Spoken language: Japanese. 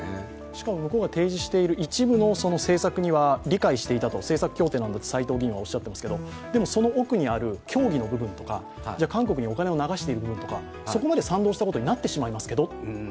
しかも向こうが提示している一部の政策は理解をしていたと政策協定なんだと斎藤議員はおっしゃっていますけれども、でも、その奥にある教義の部分とか韓国にお金を流している部分とかそこまで賛同したことになってしまいますけどと。